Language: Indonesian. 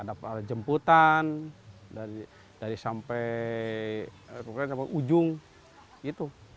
ada jemputan dari sampai ujung gitu